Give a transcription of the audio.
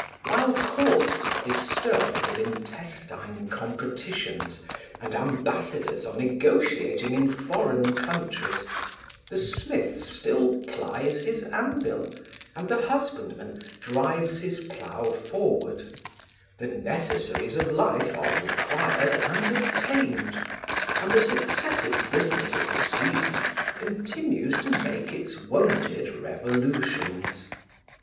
While Courts are disturbed with intestine competitions and ambassadors are negotiating in foreign countries, the smith still plies his anvil and the husbandman drives his plough forward; the necessaries of life are required and obtained, and the successive business of the season continues to make its wonted revolutions.